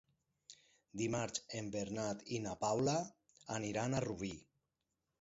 Dimarts en Bernat i na Paula aniran a Rubí.